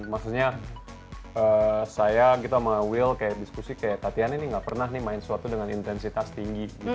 maksudnya saya gitu sama will kayak diskusi kayak tatiana ini nggak pernah nih main sesuatu dengan intensitas tinggi gitu